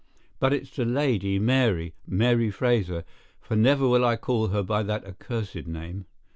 But it's the lady, Mary—Mary Fraser—for never will I call her by that accursed name.